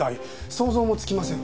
想像もつきません。